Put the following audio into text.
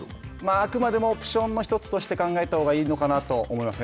あくまでもオプションの１つとして考えたほうがいいのかなと思いますね。